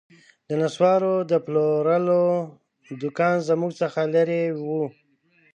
د نسوارو د پلورلو دوکان زموږ څخه لیري و